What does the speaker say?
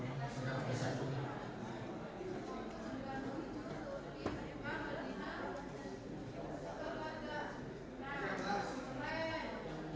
mana yang mau diperlihatkan barang bukit